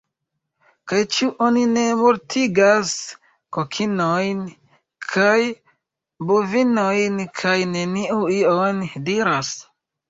Kaj ĉu oni ne mortigas kokinojn kaj bovinojn kaj neniu ion diras?